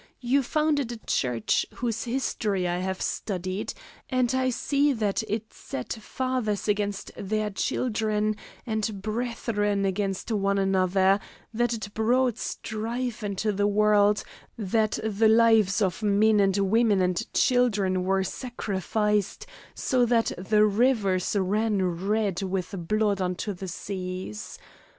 You founded a church, whose history I have studied, and I see that it set fathers against their children and brethren against one another; that it brought strife into the world; that the lives of men and women and children were sacrificed so that the rivers ran red with blood unto the seas.